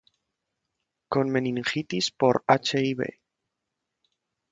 con meningitis por Hib